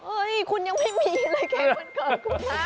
อุ๊ยคุณยังไม่มีอะไรแค่วันเกิดครับ